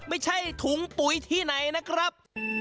ไม่ใช่ถุงปุ๋ยที่ไหนนะครับ